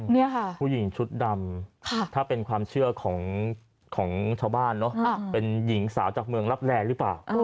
นี่ค่ะผู้หญิงชุดดำถ้าเป็นความเชื่อของชาวบ้านเนอะเป็นหญิงสาวจากเมืองรับแร่หรือเปล่า